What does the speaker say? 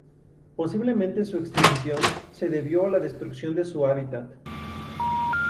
Posiblemente su extinción se debió a la destrucción de su hábitat.